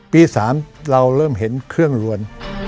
ปี๓เราเริ่มเห็นเครื่องรวน